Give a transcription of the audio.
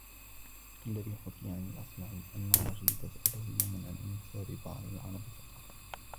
كَاَلَّذِي حُكِيَ عَنْ الْأَصْمَعِيِّ أَنَّ الرَّشِيدَ سَأَلَهُ يَوْمًا عَنْ أَنْسَابِ بَعْضِ الْعَرَبِ فَقَالَ